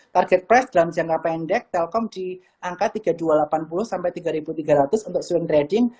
target press dalam jangka pendek telkom di angka tiga ribu dua ratus delapan puluh sampai rp tiga tiga ratus untuk swing trading